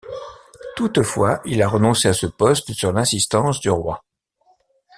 Toutefois, il a renoncé à ce poste sur l'insistance du roi.